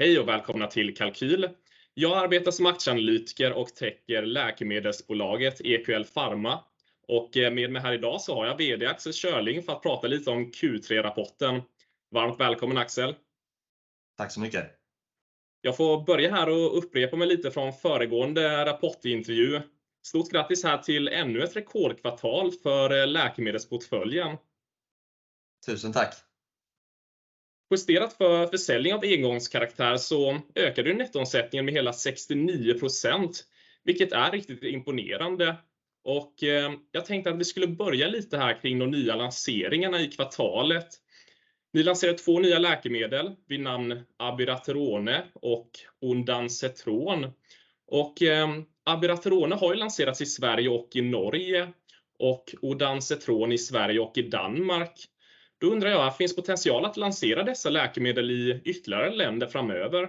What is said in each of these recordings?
Hej och välkomna till Kalqyl. Jag arbetar som aktieanalytiker och täcker läkemedelsbolaget EQL Pharma och med mig här i dag så har jag VD Axel Schörling för att prata lite om Q3-rapporten. Varmt välkommen Axel. Tack så mycket. Jag får börja här och upprepa mig lite från föregående rapportintervju. Stort grattis här till ännu ett rekordkvartal för läkemedelsportföljen. Tusen tack. Justerat för försäljning av engångskaraktär så ökade ju nettoomsättningen med hela 69%, vilket är riktigt imponerande. Jag tänkte att vi skulle börja lite här kring de nya lanseringarna i kvartalet. Ni lanserar två nya läkemedel vid namn Abiraterone och Ondansetron. Abiraterone har ju lanserats i Sverige och i Norge och Ondansetron i Sverige och i Danmark. Undrar jag, finns potential att lansera dessa läkemedel i ytterligare länder framöver?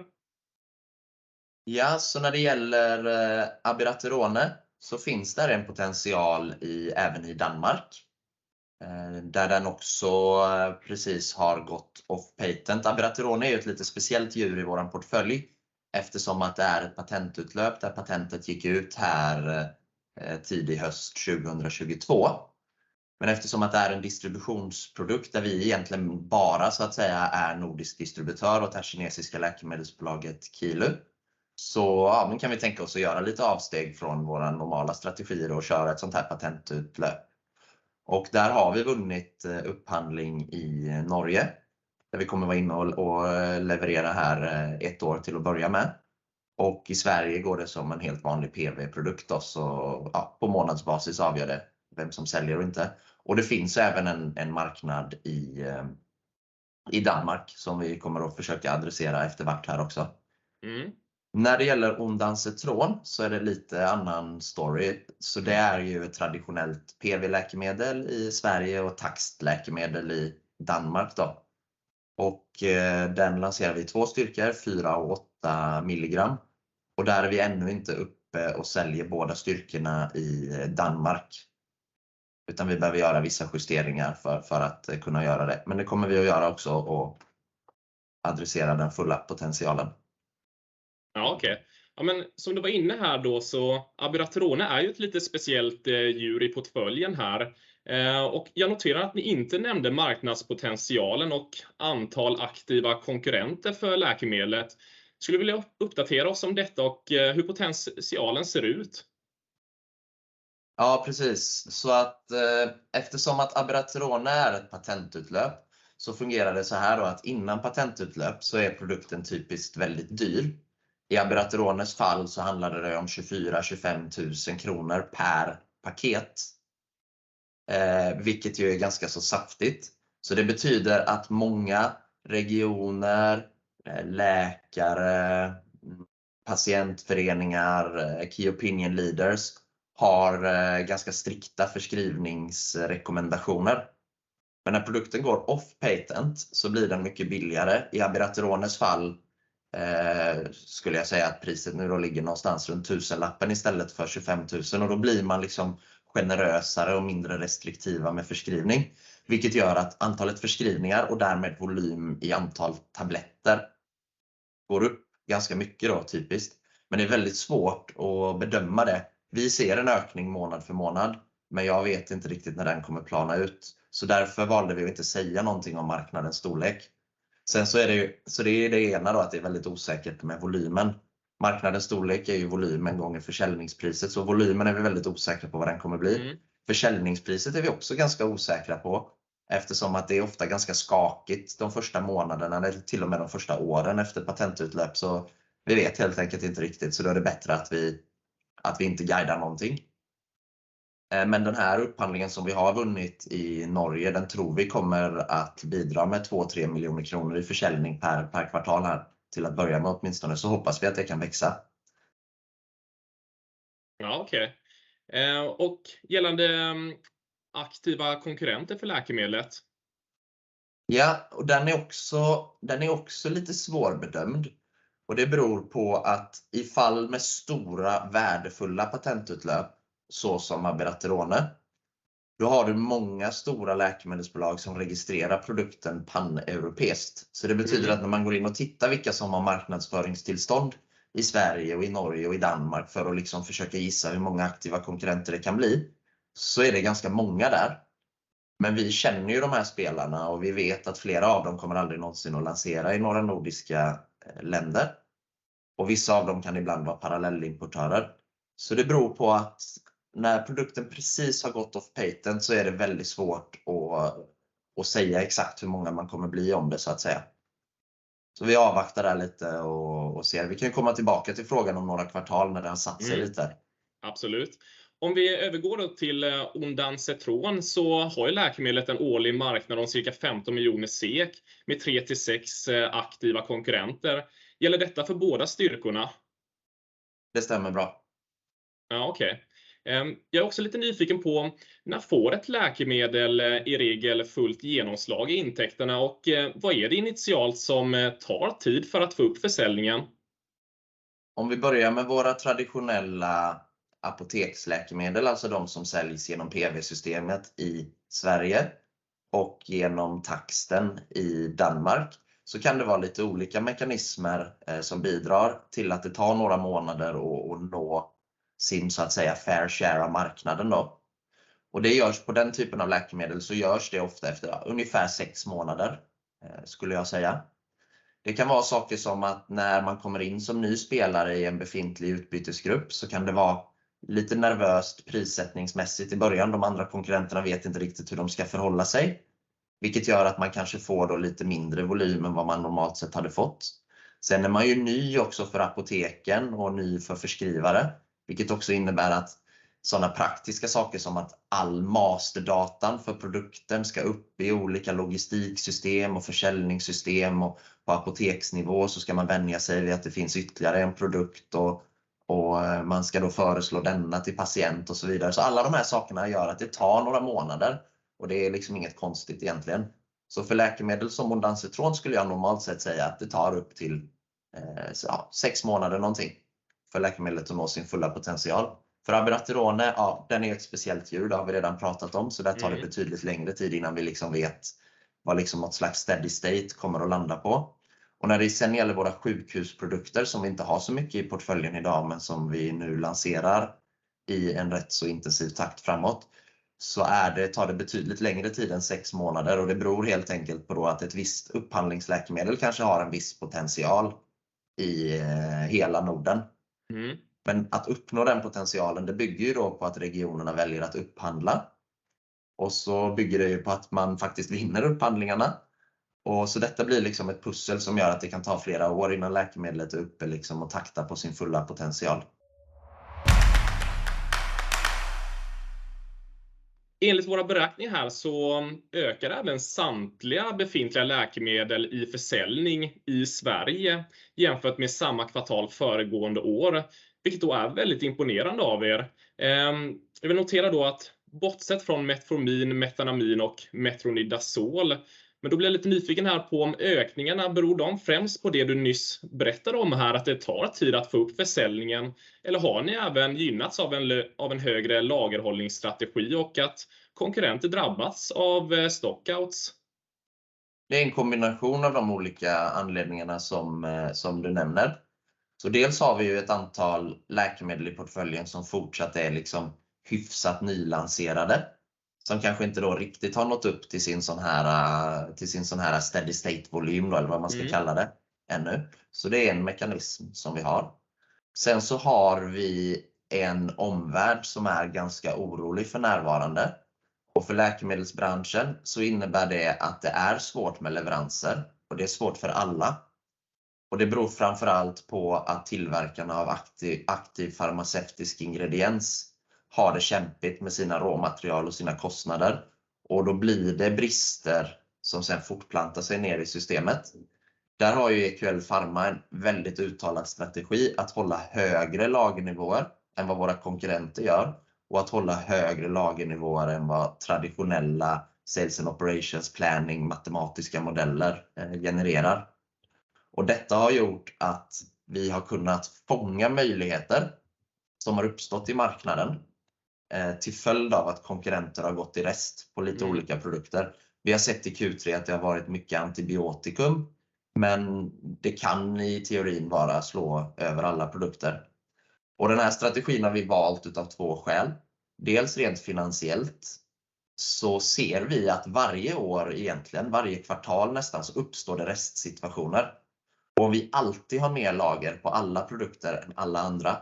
När det gäller Abiraterone finns där en potential även i Danmark, där den också precis har gått off patent. Abiraterone är ju ett lite speciellt djur i vår portfölj eftersom att det är ett patentutlöp där patentet gick ut här tidig höst 2022. Eftersom att det är en distributionsprodukt där vi egentligen bara så att säga är nordisk distributör åt det här kinesiska läkemedelsbolaget Qilu, kan vi tänka oss att göra lite avsteg från våra normala strategier och köra ett sådant här patentutlöp. Där har vi vunnit upphandling i Norge, där vi kommer att vara inne och leverera här 1 år till att börja med. I Sverige går det som en helt vanlig PV-produkt då, på månadsbasis avgör det vem som säljer och inte. Det finns även en marknad i Danmark som vi kommer att försöka adressera efter vart här också. Mm. När det gäller Ondansetron är det lite annan story. Det är ju ett traditionellt P.V.-läkemedel i Sverige och tax-läkemedel i Danmark då. Den lanserar vi i 2 styrkor, 4 och 8 milligram. Där är vi ännu inte uppe och säljer båda styrkorna i Danmark. Vi behöver göra vissa justeringar för att kunna göra det. Det kommer vi att göra också och adressera den fulla potentialen. Okej. Som du var inne här då så Abiraterone är ju ett lite speciellt djur i portföljen här. Jag noterar att ni inte nämnde marknadspotentialen och antal aktiva konkurrenter för läkemedlet. Skulle du vilja uppdatera oss om detta och hur potentialen ser ut? Ja, precis. Eftersom att Abiraterone är ett patentutlöp så fungerar det så här då att innan patentutlöp så är produkten typiskt väldigt dyr. I Abiraterone's fall så handlar det om 24,000-25,000 SEK per paket. Vilket ju är ganska så saftigt. Det betyder att många regioner, läkare, patientföreningar, key opinion leaders har ganska strikta förskrivningsrekommendationer. När produkten går off patent så blir den mycket billigare. I Abiraterone's fall, skulle jag säga att priset nu ligger någonstans runt 1,000 SEK istället för 25,000 SEK och då blir man liksom generösare och mindre restriktiva med förskrivning, vilket gör att antalet förskrivningar och därmed volym i antal tabletter går upp ganska mycket då typiskt. Det är väldigt svårt att bedöma det. Vi ser en ökning månad för månad, men jag vet inte riktigt när den kommer att plana ut. Därför valde vi att inte säga någonting om marknadens storlek. Det är ju, så det är det ena då att det är väldigt osäkert med volymen. Marknadens storlek är ju volymen gånger försäljningspriset. Volymen är vi väldigt osäkra på vad den kommer bli. Försäljningspriset är vi också ganska osäkra på eftersom att det är ofta ganska skakigt de första månaderna eller till och med de första åren efter ett patentutlöp. Vi vet helt enkelt inte riktigt. Då är det bättre att vi inte guidar någonting. Den här upphandlingen som vi har vunnit i Norge, den tror vi kommer att bidra med 2-3 million kronor i försäljning per kvartal här. Till att börja med åtminstone så hoppas vi att det kan växa. Ja, okej. Gällande aktiva konkurrenter för läkemedlet? Den är också lite svårbedömd och det beror på att i fall med stora värdefulla patentutlöp, så som Abiraterone, då har du många stora läkemedelsbolag som registrerar produkten paneuropeiskt. När man går in och tittar vilka som har marknadsföringstillstånd i Sverige och i Norge och i Danmark för att liksom försöka gissa hur många aktiva konkurrenter det kan bli, så är det ganska många där. Vi känner ju de här spelarna och vi vet att flera av dem kommer aldrig någonsin att lansera i några nordiska länder. Vissa av dem kan ibland vara parallellimportörer. När produkten precis har gått off patent så är det väldigt svårt att säga exakt hur många man kommer bli om det så att säga. Vi avvaktar där lite och ser. Vi kan ju komma tillbaka till frågan om några kvartal när det har satt sig lite. Absolut. Om vi övergår då till Ondansetron så har ju läkemedlet en årlig marknad om cirka 15 million SEK med 3-6 aktiva konkurrenter. Gäller detta för båda styrkorna? Det stämmer bra. Ja okej. Jag är också lite nyfiken på när får ett läkemedel i regel fullt genomslag i intäkterna och vad är det initialt som tar tid för att få upp försäljningen? Om vi börjar med våra traditionella apoteksläkemedel, alltså de som säljs genom PV-systemet i Sverige och genom taxen i Danmark, så kan det vara lite olika mekanismer som bidrar till att det tar några månader och nå sin så att säga fair share av marknaden då. Och det görs på den typen av läkemedel så görs det ofta efter ungefär sex månader skulle jag säga. Det kan vara saker som att när man kommer in som ny spelare i en befintlig utbytesgrupp så kan det vara lite nervöst prissättningsmässigt i början. De andra konkurrenterna vet inte riktigt hur de ska förhålla sig, vilket gör att man kanske får då lite mindre volym än vad man normalt sett hade fått. Man är ju ny också för apoteken och ny för förskrivare, vilket också innebär att såna praktiska saker som att all masterdatan för produkten ska upp i olika logistiksystem och försäljningssystem och på apoteksnivå så ska man vänja sig vid att det finns ytterligare en produkt och man ska då föreslå denna till patient och så vidare. Alla de här sakerna gör att det tar några månader och det är liksom inget konstigt egentligen. För läkemedel som Ondansetron skulle jag normalt sett säga att det tar upp till, ja 6 månader nånting för läkemedlet att nå sin fulla potential. För Abiraterone, ja, den är ett speciellt djur, det har vi redan pratat om. Där tar det betydligt längre tid innan vi liksom vet vad liksom nåt slags steady state kommer att landa på. När det sen gäller våra sjukhusprodukter som vi inte har så mycket i portföljen i dag, men som vi nu lanserar i en rätt så intensiv takt framåt, tar det betydligt längre tid än 6 månader. Det beror helt enkelt på då att ett visst upphandlingsläkemedel kanske har en viss potential i hela Norden. Att uppnå den potentialen, det bygger ju då på att regionerna väljer att upphandla. Det bygger det ju på att man faktiskt vinner upphandlingarna. Detta blir liksom ett pussel som gör att det kan ta flera år innan läkemedlet är uppe liksom och taktar på sin fulla potential. Enligt våra beräkningar här ökar även samtliga befintliga läkemedel i försäljning i Sverige jämfört med samma kvartal föregående år, vilket då är väldigt imponerande av er. Jag vill notera då att bortsett från Metformin, Methenamine och Metronidazole, då blir jag lite nyfiken här på om ökningarna beror de främst på det du nyss berättade om här att det tar tid att få upp försäljningen eller har ni även gynnats av en högre lagerhållningsstrategi och att konkurrenter drabbas av stockouts? Det är en kombination av de olika anledningarna som du nämner. Dels har vi ju ett antal läkemedel i portföljen som fortsatt är liksom hyfsat nylanserade, som kanske inte då riktigt har nått upp till sin sån hära steady state-volym då eller vad man ska kalla det ännu. Det är en mekanism som vi har. Vi har en omvärld som är ganska orolig för närvarande och för läkemedelsbranschen så innebär det att det är svårt med leveranser och det är svårt för alla. Det beror framför allt på att tillverkaren av aktiv farmaceutisk ingrediens har det kämpigt med sina råmaterial och sina kostnader och då blir det brister som sen fortplantar sig ner i systemet. Där har ju EQL Pharma en väldigt uttalad strategi att hålla högre lagernivåer än vad våra konkurrenter gör och att hålla högre lagernivåer än vad traditionella sales and operations planning matematiska modeller genererar. Detta har gjort att vi har kunnat fånga möjligheter som har uppstått i marknaden, till följd av att konkurrenter har gått i rest på lite olika produkter. Vi har sett i Q3 att det har varit mycket antibiotikum, men det kan i teorin bara slå över alla produkter. Den här strategin har vi valt utav two skäl. Dels rent finansiellt så ser vi att varje år egentligen, varje kvartal nästan, så uppstår det restsituationer. Om vi alltid har mer lager på alla produkter än alla andra,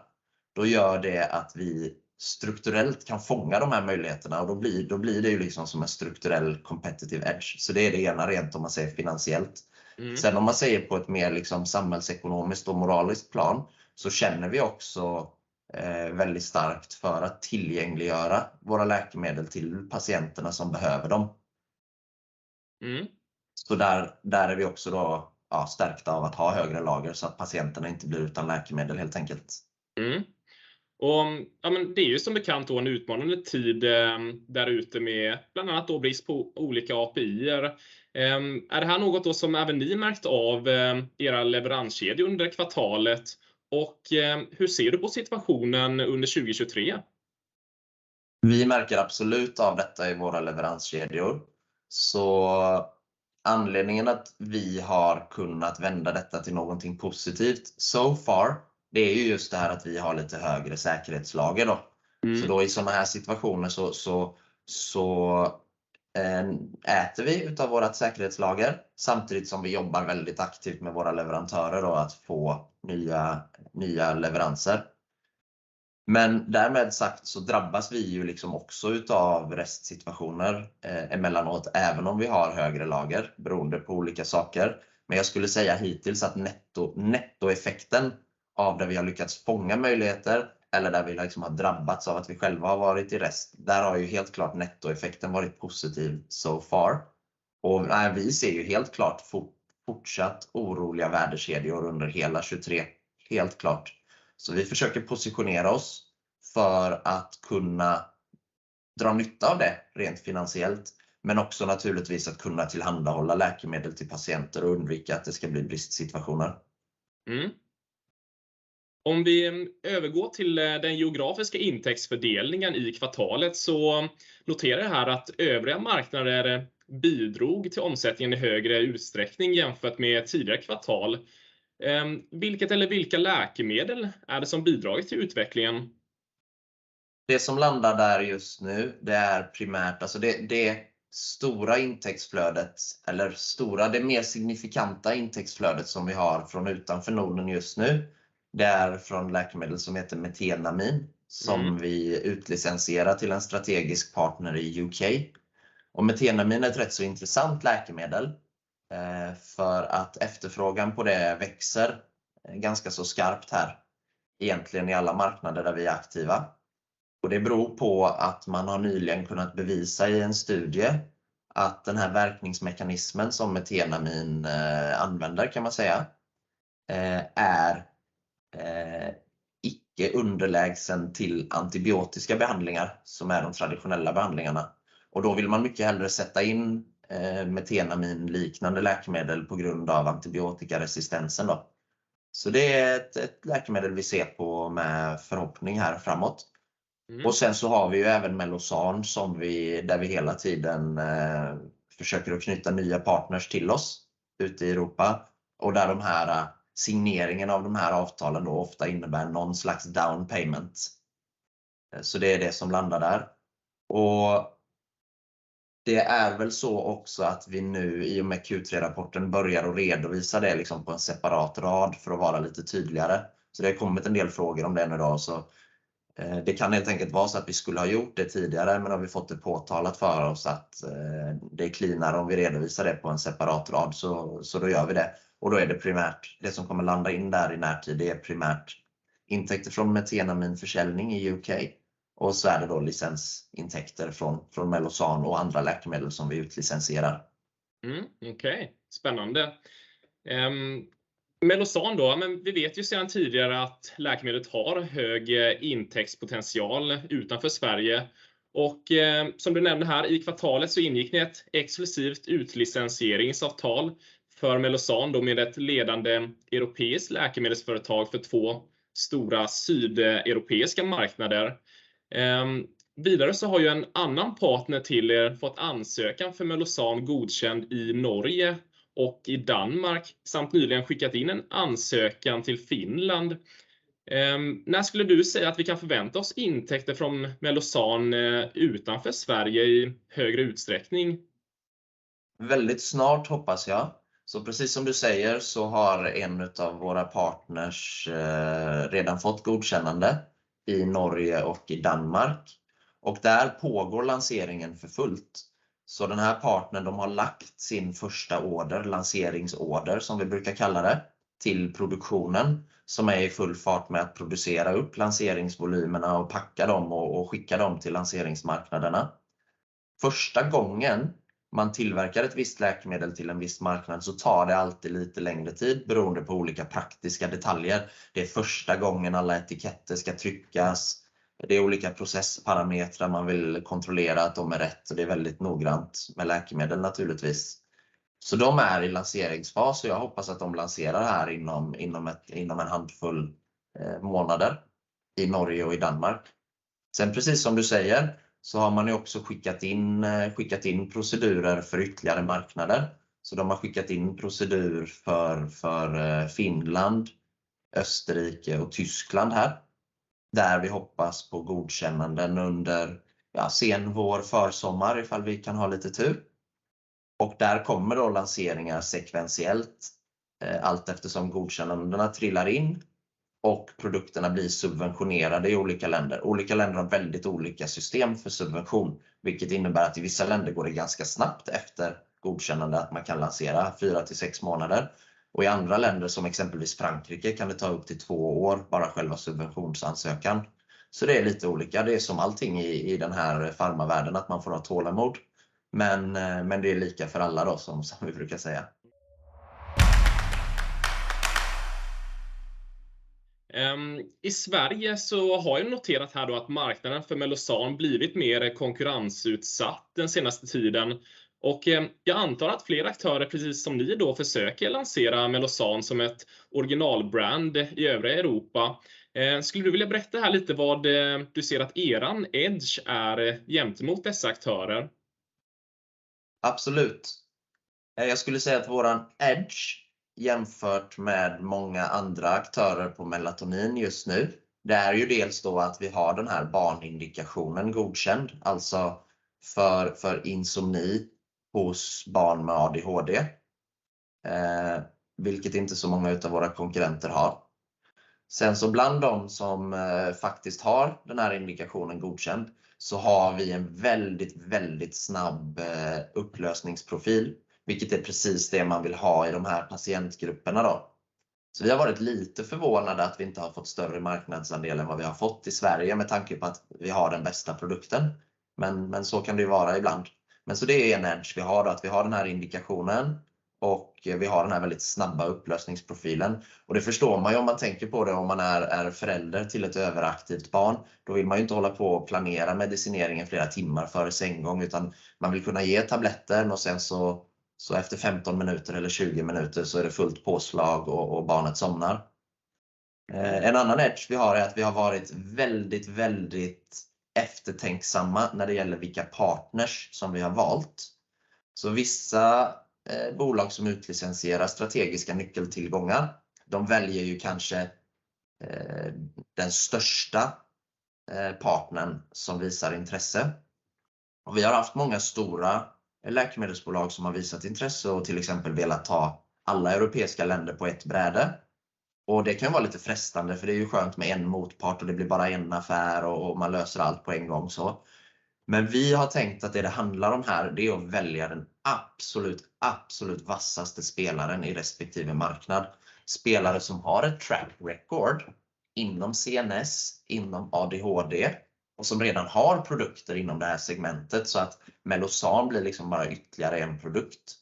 då gör det att vi strukturellt kan fånga de här möjligheterna och då blir det ju liksom som en strukturell competitive edge. Det är det ena rent om man säger finansiellt. Om man säger på ett mer liksom samhällsekonomiskt och moraliskt plan, känner vi också väldigt starkt för att tillgängliggöra våra läkemedel till patienterna som behöver dem. Där är vi också då stärkta av att ha högre lager så att patienterna inte blir utan läkemedel helt enkelt. Ja men det är ju som bekant då en utmanande tid där ute med bland annat då brist på olika APIer. Är det här något då som även ni märkt av i era leveranskedjor under kvartalet? Hur ser du på situationen under 2023? Vi märker absolut av detta i våra leveranskedjor. Anledningen att vi har kunnat vända detta till någonting positivt so far, det är just det här att vi har lite högre säkerhetslager då. Då i såna här situationer äter vi utav vårt säkerhetslager samtidigt som vi jobbar väldigt aktivt med våra leverantörer då att få nya leveranser. Därmed sagt so drabbas vi ju liksom också utav restsituationer emellanåt, även om vi har högre lager beroende på olika saker. Jag skulle säga hittills att netto, nettoeffekten av där vi har lyckats fånga möjligheter eller där vi liksom har drabbats av att vi själva har varit i rest, där har ju helt klart nettoeffekten varit positiv so far. Vi ser ju helt klart fortsatt oroliga värdekedjor under hela 2023, helt klart. Vi försöker positionera oss för att kunna dra nytta av det rent finansiellt, men också naturligtvis att kunna tillhandahålla läkemedel till patienter och undvika att det ska bli bristsituationer. Om vi övergår till den geografiska intäktsfördelningen i kvartalet så noterar jag här att övriga marknader bidrog till omsättningen i högre utsträckning jämfört med tidigare kvartal. Vilket eller vilka läkemedel är det som bidragit till utvecklingen? Det som landar där just nu, det är primärt, det mer signifikanta intäktsflödet som vi har från utanför Norden just nu. Det är från läkemedel som heter Methenamine- Mm Som vi utlicensierar till en strategisk partner i U.K. Methenamine är ett rätt så intressant läkemedel för att efterfrågan på det växer ganska så skarpt här, egentligen i alla marknader där vi är aktiva. Det beror på att man har nyligen kunnat bevisa i en studie att den här verkningsmekanismen som Methenamine använder kan man säga, är icke underlägsen till antibiotiska behandlingar som är de traditionella behandlingarna. Då vill man mycket hellre sätta in Methenamine-liknande läkemedel på grund av antibiotikaresistensen då. Det är ett läkemedel vi ser på med förhoppning här framåt. Mm. Och sen så har vi ju även Mellozzan som vi, där vi hela tiden försöker att knyta nya partners till oss ute i Europa och där de här signeringen av de här avtalen då ofta innebär någon slags down payment. Det är det som landar där. Det är väl så också att vi nu i och med Q3-rapporten börjar att redovisa det liksom på en separat rad för att vara lite tydligare. Det har kommit en del frågor om det nu då. Det kan helt enkelt vara så att vi skulle ha gjort det tidigare, men har vi fått det påtalat för oss att det är cleanare om vi redovisar det på en separat rad, så då gör vi det. Då är det primärt det som kommer landa in där i närtid, det är primärt intäkter från Methenamine-försäljning i UK och så är det då licensintäkter från Mellozzan och andra läkemedel som vi utlicensierar. Okay, spännande. Mellozzan då, vi vet ju sedan tidigare att läkemedlet har hög intäktspotential utanför Sverige. Som du nämnde här i kvartalet så ingick ni ett exklusivt utlicenseringsavtal för Mellozzan då med ett ledande europeiskt läkemedelsföretag för 2 stora sydeuropeiska marknader. Vidare så har ju en annan partner till er fått ansökan för Mellozzan godkänd i Norge och i Danmark, samt nyligen skickat in en ansökan till Finland. När skulle du säga att vi kan förvänta oss intäkter från Mellozzan utanför Sverige i högre utsträckning? Väldigt snart hoppas jag. Precis som du säger så har en utav våra partners redan fått godkännande i Norge och i Danmark och där pågår lanseringen för fullt. Den här partnern, de har lagt sin första order, lanseringsorder som vi brukar kalla det, till produktionen som är i full fart med att producera upp lanseringsvolymerna och packa dem och skicka dem till lanseringsmarknaderna. Första gången man tillverkar ett visst läkemedel till en viss marknad så tar det alltid lite längre tid beroende på olika praktiska detaljer. Det är första gången alla etiketter ska tryckas. Det är olika processparametrar man vill kontrollera att de är rätt och det är väldigt noggrant med läkemedel naturligtvis. De är i lanseringsfas och jag hoppas att de lanserar här inom ett, inom en handfull månader i Norge och i Danmark. Precis som du säger så har man ju också skickat in procedurer för ytterligare marknader. De har skickat in procedur för Finland, Österrike och Tyskland här. Där vi hoppas på godkännanden under sen vår, försommar ifall vi kan ha lite tur. Där kommer då lanseringar sekventiellt allt eftersom godkännandena trillar in och produkterna blir subventionerade i olika länder. Olika länder har väldigt olika system för subvention, vilket innebär att i vissa länder går det ganska snabbt efter godkännande att man kan lansera 4-6 månader. I andra länder som exempelvis Frankrike kan det ta upp till 2 år bara själva subventionsansökan. Det är lite olika. Det är som allting i den här pharmavärlden att man får ha tålamod. Det är lika för alla då som vi brukar säga. I Sverige har jag noterat här då att marknaden för Mellozzan blivit mer konkurrensutsatt den senaste tiden och jag antar att fler aktörer, precis som ni då, försöker lansera Mellozzan som ett original brand i övriga Europa. Skulle du vilja berätta här lite vad du ser att eran edge är gentemot dessa aktörer? Absolut. Jag skulle säga att vår edge jämfört med många andra aktörer på melatonin just nu, det är ju dels då att vi har den här barnindikationen godkänd, alltså för insomni hos barn med ADHD. Vilket inte så många utav våra konkurrenter har. Bland dem som faktiskt har den här indikationen godkänd så har vi en väldigt snabb upplösningsprofil, vilket är precis det man vill ha i de här patientgrupperna då. Vi har varit lite förvånade att vi inte har fått större marknadsandel än vad vi har fått i Sverige med tanke på att vi har den bästa produkten. Så kan det ju vara ibland. Det är en edge vi har då, att vi har den här indikationen och vi har den här väldigt snabba upplösningsprofilen. Det förstår man ju om man tänker på det, om man är förälder till ett överaktivt barn. Då vill man ju inte hålla på och planera medicineringen flera timmar före sänggång, utan man vill kunna ge tabletter och sen så efter 15 minuter eller 20 minuter så är det fullt påslag och barnet somnar. En annan edge vi har är att vi har varit väldigt eftertänksamma när det gäller vilka partners som vi har valt. Vissa bolag som utlicensierar strategiska nyckeltillgångar, de väljer ju kanske den största partnern som visar intresse. Vi har haft många stora läkemedelsbolag som har visat intresse och till exempel velat ta alla europeiska länder på ett bräde. Det kan vara lite frestande för det är ju skönt med en motpart och det blir bara en affär och man löser allt på en gång så. Vi har tänkt att det det handlar om här, det är att välja den absolut vassaste spelaren i respektive marknad. Spelare som har ett track record inom CNS, inom ADHD och som redan har produkter inom det här segmentet så att Mellozzan blir liksom bara ytterligare en produkt,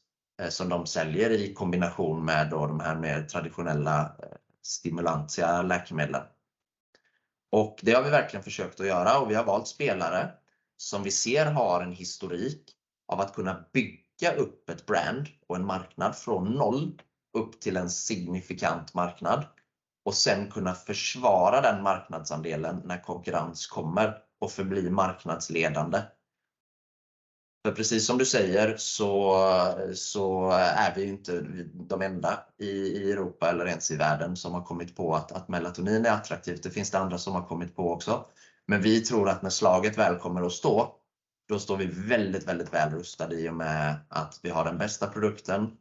som de säljer i kombination med då de här mer traditionella stimulantia läkemedlen. Det har vi verkligen försökt att göra och vi har valt spelare som vi ser har en historik av att kunna bygga upp ett brand och en marknad från noll upp till en signifikant marknad och sen kunna försvara den marknadsandelen när konkurrens kommer och förbli marknadsledande. Precis som du säger så är vi inte de enda i Europa eller ens i världen som har kommit på att Melatonin är attraktivt. Det finns det andra som har kommit på också. Vi tror att när slaget väl kommer att stå, då står vi väldigt väl rustade i och med att vi har den bästa produkten.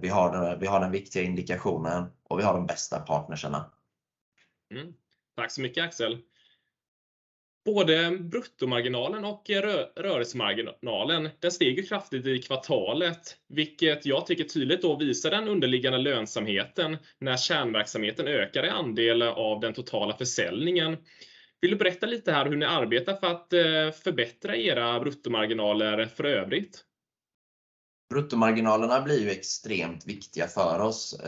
Vi har den viktiga indikationen och vi har de bästa partners. Tack så mycket Axel. Både bruttomarginalen och rörelsemarginalen, den steg ju kraftigt i kvartalet, vilket jag tycker tydligt då visar den underliggande lönsamheten när kärnverksamheten ökar i andel av den totala försäljningen. Vill du berätta lite här hur ni arbetar för att förbättra era bruttomarginaler för övrigt? Bruttomarginalerna blir ju extremt viktiga för oss,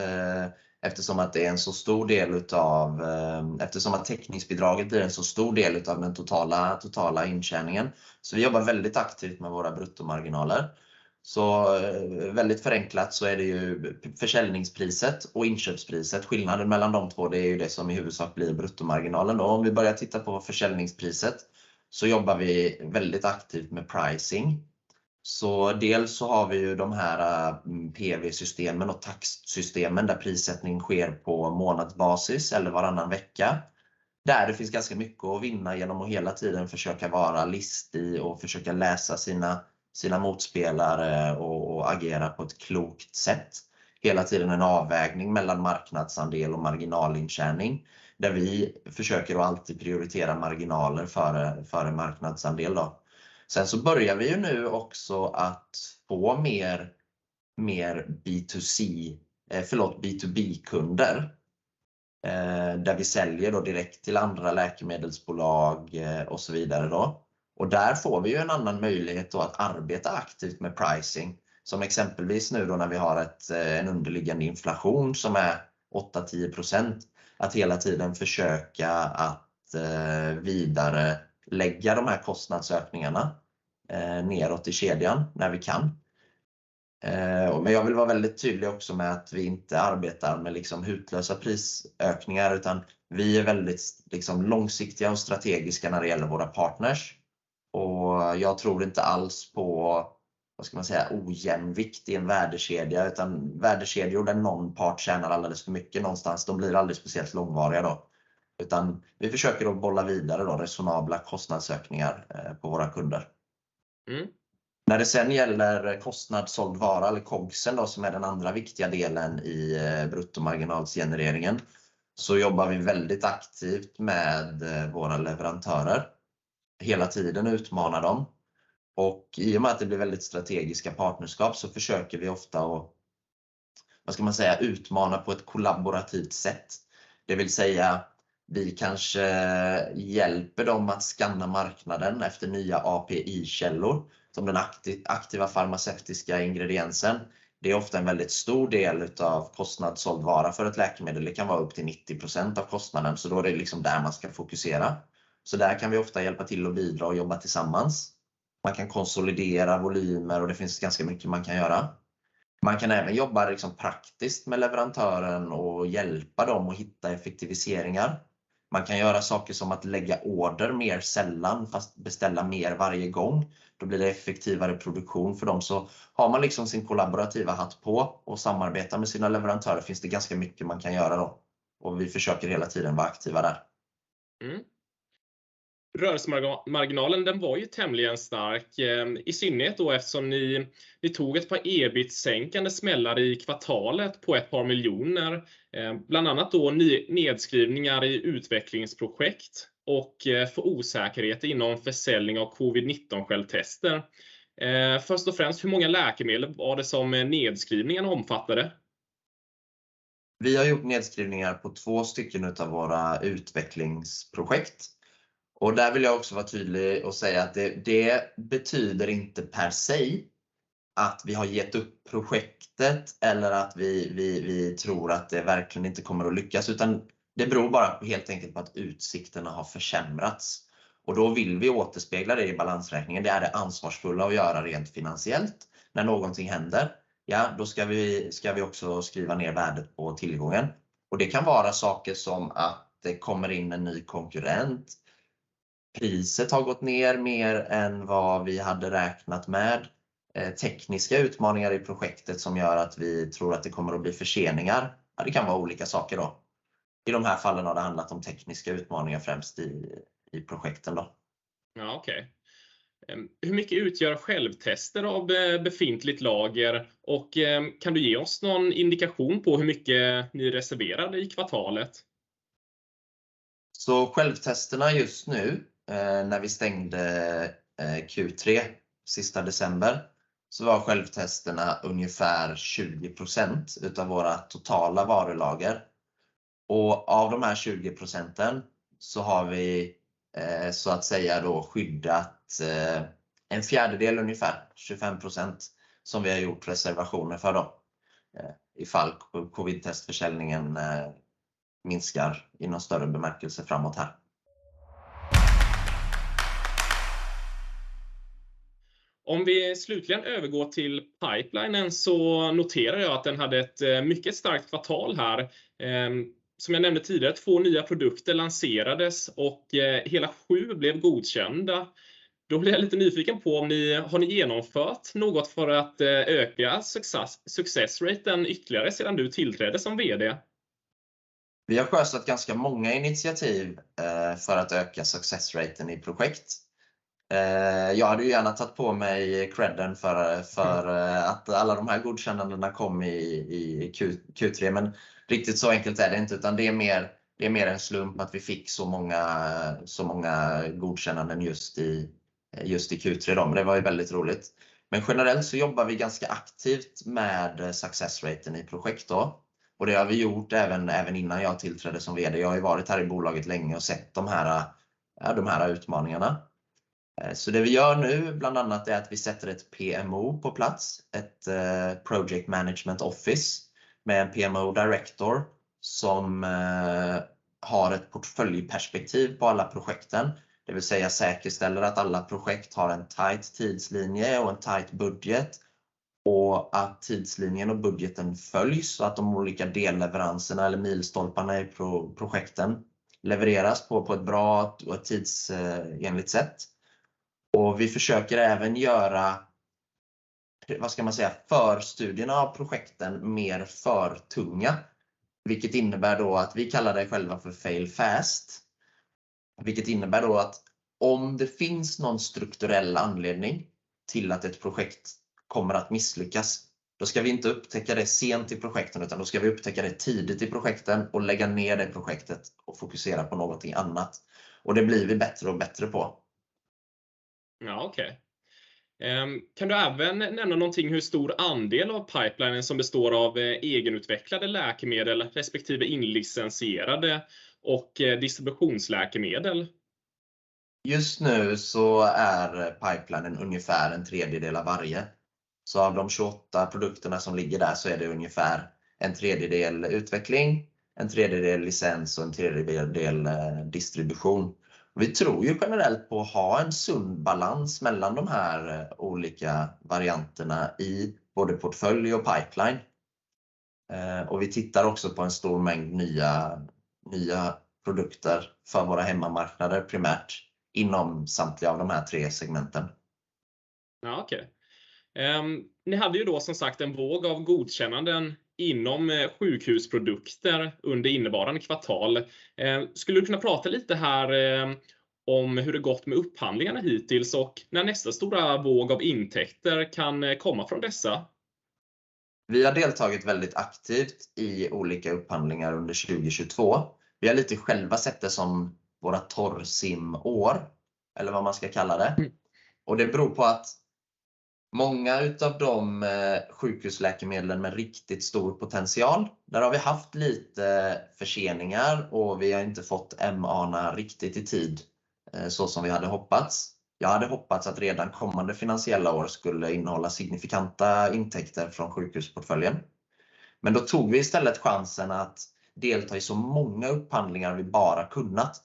eftersom att det är en så stor del utav, eftersom att tekniksbidraget är en så stor del av den totala intjäningen. Vi jobbar väldigt aktivt med våra bruttomarginaler. Väldigt förenklat så är det ju försäljningspriset och inköpspriset. Skillnaden mellan de två, det är ju det som i huvudsak blir bruttomarginalen då. Om vi börjar titta på försäljningspriset så jobbar vi väldigt aktivt med pricing. Dels så har vi ju de här PV-systemen och tax-systemen där prissättning sker på månadsbasis eller varannan vecka. Där det finns ganska mycket att vinna genom att hela tiden försöka vara listig och försöka läsa sina motspelare och agera på ett klokt sätt. Hela tiden en avvägning mellan marknadsandel och marginalintjäning, där vi försöker att alltid prioritera marginaler före marknadsandel då. Nu börjar vi ju också att få mer B2B-kunder, där vi säljer då direkt till andra läkemedelsbolag och så vidare då. Där får vi ju en annan möjlighet då att arbeta aktivt med pricing. Som exempelvis nu då när we har en underliggande inflation som är 8-10%. Hela tiden försöka att vidarelägga de här kostnadsökningarna nedåt i kedjan när vi kan. Jag vill vara väldigt tydlig också med att vi inte arbetar med liksom hutlösa prisökningar, utan vi är väldigt, liksom långsiktiga och strategiska när det gäller våra partners. Jag tror inte alls på, vad ska man säga, ojämnvikt i en värdekedia, utan värdekedjor där någon part tjänar alldeles för mycket någonstans, de blir aldrig speciellt långvariga då. Vi försöker att bolla vidare då resonabla kostnadsökningar på våra kunder. Mm. När det sen gäller kostnad såld vara eller COGS då som är den andra viktiga delen i bruttomarginalgenereringen, jobbar vi väldigt aktivt med våra leverantörer, hela tiden utmana dem. I och med att det blir väldigt strategiska partnerskap så försöker vi ofta och, vad ska man säga, utmana på ett kollaborativt sätt. Det vill säga, vi kanske hjälper dem att scan marknaden efter nya API-källor, som den aktiva farmaceutiska ingrediensen. Det är ofta en väldigt stor del utav kostnad såld vara för ett läkemedel. Det kan vara upp till 90% av kostnaden, så då är det liksom där man ska fokusera. Där kan vi ofta hjälpa till och bidra och jobba tillsammans. Man kan konsolidera volymer, det finns ganska mycket man kan göra. Man kan även jobba liksom praktiskt med leverantören och hjälpa dem att hitta effektiviseringar. Man kan göra saker som att lägga order mer sällan fast beställa mer varje gång. Det blir effektivare produktion för dem. Har man liksom sin kollaborativa hatt på och samarbetar med sina leverantörer finns det ganska mycket man kan göra då. Vi försöker hela tiden vara aktiva där. Rörelsemarginalen, den var ju tämligen stark, i synnerhet då eftersom ni tog ett par EBIT-sänkande smällar i kvartalet på 2 million. Bland annat då nedskrivningar i utvecklingsprojekt och för osäkerhet inom försäljning av Covid-19 självtester. Först och främst, hur många läkemedel var det som nedskrivningen omfattade? Vi har gjort nedskrivningar på 2 stycken utav våra utvecklingsprojekt. Där vill jag också vara tydlig och säga att det betyder inte per se att vi har gett upp projektet eller att vi tror att det verkligen inte kommer att lyckas, utan det beror bara på helt enkelt på att utsikterna har försämrats. Då vill vi återspegla det i balansräkningen. Det är det ansvarsfulla att göra rent finansiellt. När någonting händer, då ska vi också skriva ner värdet på tillgången. Det kan vara saker som att det kommer in en ny konkurrent. Priset har gått ner mer än vad vi hade räknat med. Tekniska utmaningar i projektet som gör att vi tror att det kommer att bli förseningar. Det kan vara olika saker då. I de här fallen har det handlat om tekniska utmaningar, främst i projekten då. Ja, okej. Hur mycket utgör självtester av befintligt lager och kan du ge oss någon indikation på hur mycket ni reserverade i kvartalet? Självtesterna just nu, när vi stängde Q3 sista december, var självtesterna ungefär 20% utav våra totala varulager. Av de här 20% så har vi så att säga då skyddat en fjärdedel, ungefär 25% som vi har gjort reservationer för då. Ifall Covid-test-försäljningen minskar i någon större bemärkelse framåt här. Om vi slutligen övergår till pipeline så noterar jag att den hade ett mycket starkt kvartal här. Som jag nämnde tidigare, 2 nya produkter lanserades och hela 7 blev godkända. Blir jag lite nyfiken på har ni genomfört något för att öka success rate ytterligare sedan du tillträdde som VD? Vi har sjösatt ganska många initiativ för att öka success rate in projects. Jag hade ju gärna tagit på mig credit för att alla de här godkännandena kom i Q3. Riktigt så enkelt är det inte, utan det är mer en slump att vi fick så många godkännanden just i Q3 då. Det var ju väldigt roligt. Generellt så jobbar vi ganska aktivt med success rate in projects då och det har vi gjort även innan jag tillträdde som VD. Jag har ju varit här i bolaget länge och sett de här, ja, de här utmaningarna. Det vi gör nu bland annat är att vi sätter ett PMO på plats, ett Project Management Office med en PMO Director som har ett portföljperspektiv på alla projects. Det vill säga säkerställer att alla projekt har en tight tidslinje och en tight budget och att tidslinjen och budgeten följs och att de olika delleveranserna eller milstolparna i projekten levereras på ett bra och ett tidsenligt sätt. Vi försöker även göra, vad ska man säga, förstudierna av projekten mer förtunga, vilket innebär då att vi kallar det själva för fail fast. Vilket innebär då att om det finns någon strukturell anledning till att ett projekt kommer att misslyckas, då ska vi inte upptäcka det sent i projekten, utan då ska vi upptäcka det tidigt i projekten och lägga ner det projektet och fokusera på någonting annat. Det blir vi bättre och bättre på. Ja, okej. Kan du även nämna någonting hur stor andel av pipelinen som består av egenutvecklade läkemedel respektive inlicensierade och distributionsläkemedel? Just nu är pipelinen ungefär a third av varje. Av de 28 produkterna som ligger där är det ungefär a third utveckling, a third licens och a third distribution. Vi tror ju generellt på att ha en sund balans mellan de här olika varianterna i både portfölj och pipeline. Vi tittar också på en stor mängd nya produkter för våra hemmamarknader, primärt inom samtliga av de här three segmenten. Okej. Ni hade ju då som sagt en våg av godkännanden inom sjukhusprodukter under innevarande kvartal. Skulle du kunna prata lite här om hur det gått med upphandlingarna hittills och när nästa stora våg av intäkter kan komma från dessa? Vi har deltagit väldigt aktivt i olika upphandlingar under 2022. Vi har lite själva sett det som våra torrsimår eller vad man ska kalla det. Det beror på att många utav de sjukhusläkemedlen med riktigt stor potential, där har vi haft lite förseningar och vi har inte fått MA:na riktigt i tid, så som vi hade hoppats. Jag hade hoppats att redan kommande finansiella år skulle innehålla signifikanta intäkter från sjukhusportföljen. Då tog vi istället chansen att delta i så många upphandlingar vi bara kunnat.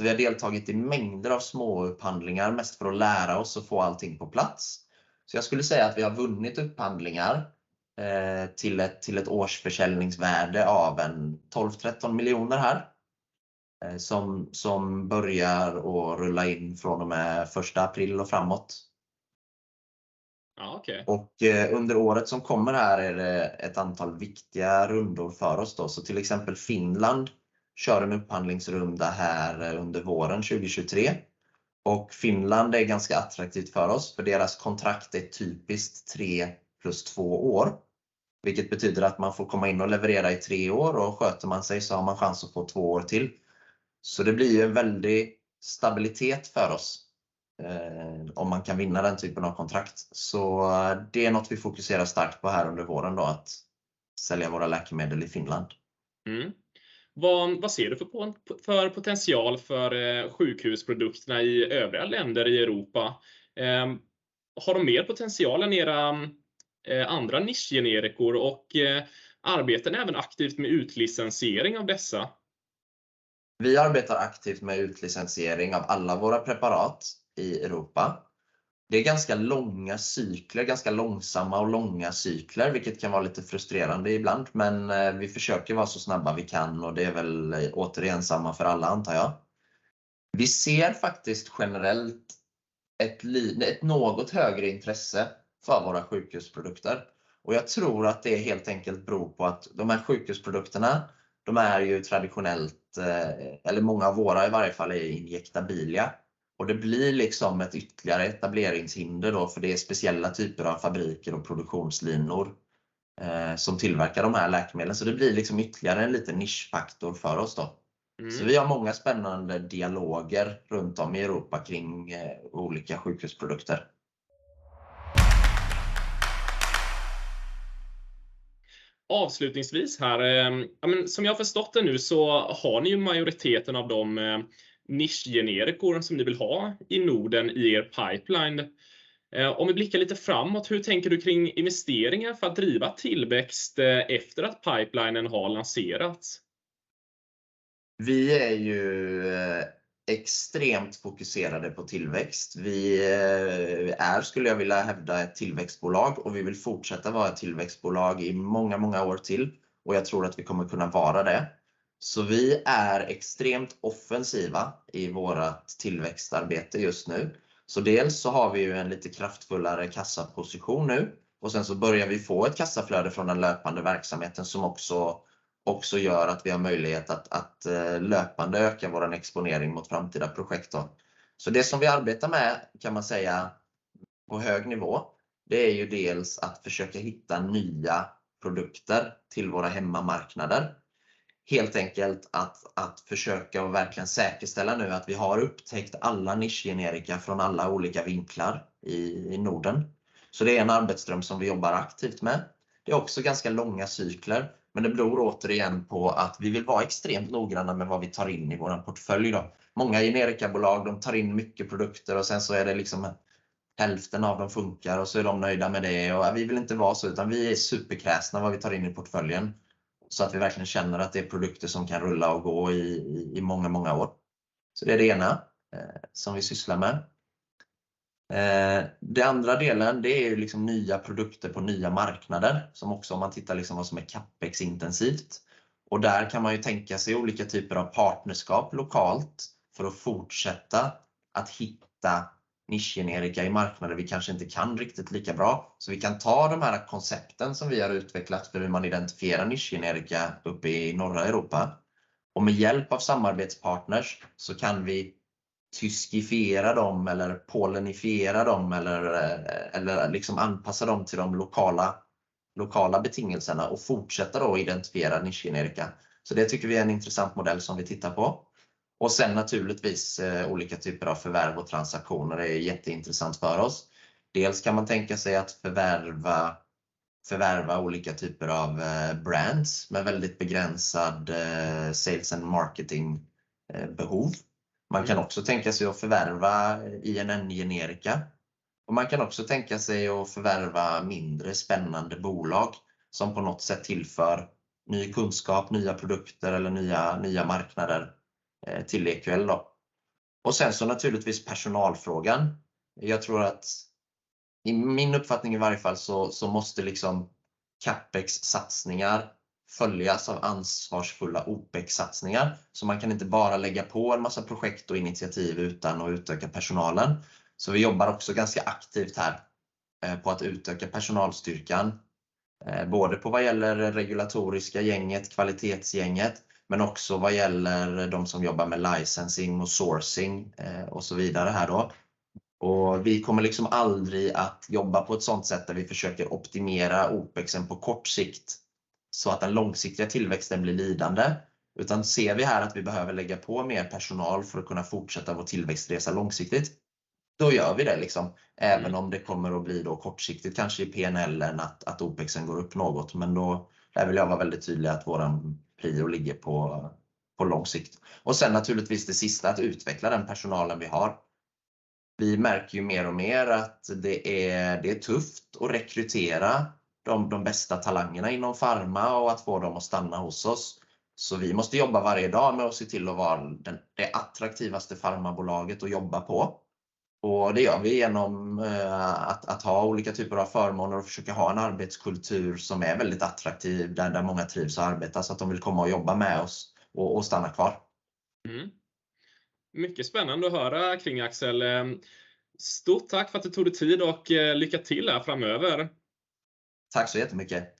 Vi har deltagit i mängder av småupphandlingar, mest för att lära oss och få allting på plats. Jag skulle säga att vi har vunnit upphandlingar, eh, till ett årsförsäljningsvärde av en 12 million, 13 million här, som börjar att rulla in from and with first April and framåt. Yes, okay. Under året som kommer här är det ett antal viktiga rundor för oss då. Till exempel Finland kör en upphandlingsrunda här under våren 2023 och Finland är ganska attraktivt för oss för deras kontrakt är typiskt 3 plus 2 år, vilket betyder att man får komma in och leverera i 3 år och sköter man sig så har man chans att få 2 år till. Det blir ju en väldig stabilitet för oss om man kan vinna den typen av kontrakt. Det är något vi fokuserar starkt på här under våren då att sälja våra läkemedel i Finland. Vad ser du för potential för sjukhusprodukterna i övriga länder i Europa? Har de mer potential än era andra nischgenerikor och arbetar ni även aktivt med utlicensiering av dessa? Vi arbetar aktivt med utlicensiering av alla våra preparat i Europa. Det är ganska långa cykler, ganska långsamma och långa cykler, vilket kan vara lite frustrerande ibland, men vi försöker vara så snabba vi kan och det är väl återigen samma för alla antar jag. Vi ser faktiskt generellt ett något högre intresse för våra sjukhusprodukter och jag tror att det helt enkelt beror på att de här sjukhusprodukterna, de är ju traditionellt eller många av våra i varje fall är injektabilia och det blir liksom ett ytterligare etableringshinder då för det är speciella typer av fabriker och produktionslinor som tillverkar de här läkemedlen. Det blir liksom ytterligare en liten nischfaktor för oss då. Vi har många spännande dialoger runtom i Europa kring olika sjukhusprodukter. Avslutningsvis här, ja men som jag förstått det nu så har ni ju majoriteten av de nischgenerikor som ni vill ha i Norden i er pipeline. Om vi blickar lite framåt, hur tänker du kring investeringar för att driva tillväxt efter att pipelinen har lanserats? Vi är ju extremt fokuserade på tillväxt. Vi är, skulle jag vilja hävda, ett tillväxtbolag och vi vill fortsätta vara ett tillväxtbolag i många år till och jag tror att vi kommer kunna vara det. Vi är extremt offensiva i vårt tillväxtarbete just nu. Dels så har vi ju en lite kraftfullare kassaposition nu och sen så börjar vi få ett kassaflöde från den löpande verksamheten som också gör att vi har möjlighet att löpande öka vår exponering mot framtida projekt då. Det som vi arbetar med kan man säga på hög nivå, det är ju dels att försöka hitta nya produkter till våra hemmamarknader. Helt enkelt att försöka och verkligen säkerställa nu att vi har upptäckt alla nischgenerika från alla olika vinklar i Norden. Det är en arbetsström som vi jobbar aktivt med. Det är också ganska långa cykler. Det beror återigen på att vi vill vara extremt noggranna med vad vi tar in i våran portfölj då. Många generikabolag, de tar in mycket produkter och sen så är det liksom hälften av dem funkar och så är de nöjda med det. Vi vill inte vara så, utan vi är superkräsna vad vi tar in i portföljen så att vi verkligen känner att det är produkter som kan rulla och gå i många år. Det är det ena som vi sysslar med. Det andra delen, det är ju liksom nya produkter på nya marknader som också om man tittar liksom vad som är Capex intensivt. Där kan man ju tänka sig olika typer av partnerskap lokalt för att fortsätta att hitta nischgenerika i marknader vi kanske inte kan riktigt lika bra. Vi kan ta de här koncepten som vi har utvecklat för hur man identifierar nischgenerika uppe i norra Europa och med hjälp av samarbetspartners så kan vi tyskifiera dem eller polenifiera dem eller liksom anpassa dem till de lokala betingelserna och fortsätta då identifiera nischgenerika. Det tycker vi är en intressant modell som vi tittar på. Naturligtvis olika typer av förvärv och transaktioner är jätteintressant för oss. Dels kan man tänka sig att förvärva olika typer av brands med väldigt begränsad sales and marketing behov. Man kan också tänka sig att förvärva INN-generika och man kan också tänka sig att förvärva mindre spännande bolag som på något sätt tillför ny kunskap, nya produkter eller nya marknader till EQL då. Naturligtvis personalfrågan. Jag tror att i min uppfattning i varje fall så måste liksom Capex-satsningar följas av ansvarsfulla Opex-satsningar. Man kan inte bara lägga på en massa projekt och initiativ utan att utöka personalen. Vi jobbar också ganska aktivt här på att utöka personalstyrkan, både på vad gäller regulatoriska gänget, kvalitetsgänget, men också vad gäller de som jobbar med licensing och sourcing och så vidare här då. Vi kommer liksom aldrig att jobba på ett sådant sätt där vi försöker optimera Opex på kort sikt så att den långsiktiga tillväxten blir lidande. Ser vi här att vi behöver lägga på mer personal för att kunna fortsätta vår tillväxtresa långsiktigt, då gör vi det liksom. Även om det kommer att bli då kortsiktigt, kanske i PNL att Opex går upp något. Då där vill jag vara väldigt tydlig att våran prio ligger på lång sikt. Sen naturligtvis det sista att utveckla den personalen vi har. Vi märker ju mer och mer att det är tufft att rekrytera de bästa talangerna inom pharma och att få dem att stanna hos oss. Vi måste jobba varje dag med att se till att vara den det attraktivaste pharmabolaget att jobba på. Det gör vi genom att ha olika typer av förmåner och försöka ha en arbetskultur som är väldigt attraktiv, där många trivs att arbeta, så att de vill komma och jobba med oss och stanna kvar. Mycket spännande att höra kring Axel Schörling. Stort tack för att du tog dig tid och lycka till här framöver. Tack så jättemycket!